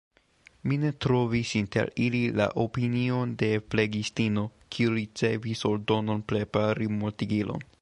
Mi ne trovis inter ili la opinion de flegistino, kiu ricevis ordonon prepari mortigilon.